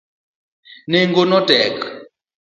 Nengo no tek.